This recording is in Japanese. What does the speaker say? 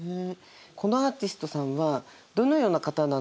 このアーティストさんはどのような方なんですかね？